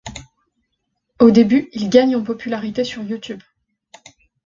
Au début, ils gagnent en popularité sur YouTube.